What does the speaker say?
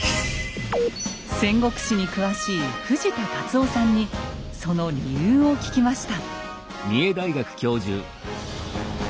戦国史に詳しい藤田達生さんにその理由を聞きました。